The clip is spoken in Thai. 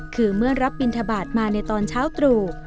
คือเมื่อรับบินทบาทมาในตอนเช้าตรู่